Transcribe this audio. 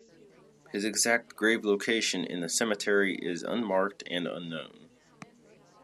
His exact grave location in the cemetery is unmarked and unknown.